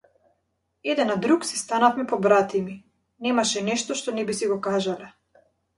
Еден на друг си станавме побратими, немаше нешто што не би си го кажале.